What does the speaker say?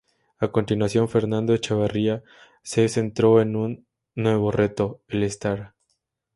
A continuación Fernando Echávarri se centró en un nuevo reto: el Star.